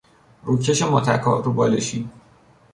روکش متکا، روبالشی